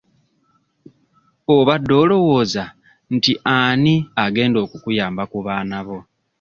Obadde olowooza nti ani agenda okukuyamba ku baana bo?